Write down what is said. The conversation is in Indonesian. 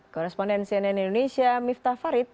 koresponden cnn indonesia miftah farid